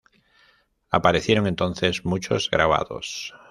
Aparecieron entonces muchos grabados.